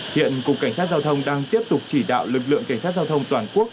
hiện cục cảnh sát giao thông đang tiếp tục chỉ đạo lực lượng cảnh sát giao thông toàn quốc